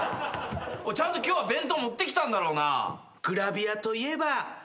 ちゃんと今日は弁当持ってきたんだろうな？